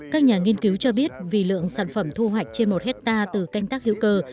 các nhà nghiên cứu cho biết vì lượng sản phẩm thu hoạch trên một hectare từ canh tác hữu cơ